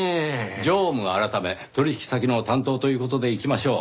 常務改め取引先の担当という事でいきましょう。